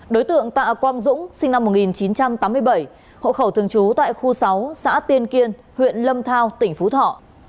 đối tượng tạ quam dũng sinh năm một nghìn chín trăm tám mươi bảy hộ khẩu thường trú tại khu sáu xã tiên kiên huyện lâm thao tp huế